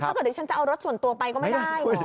ถ้าเกิดดิฉันจะเอารถส่วนตัวไปก็ไม่ได้